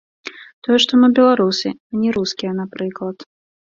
Тое, што мы беларусы, а не рускія, напрыклад.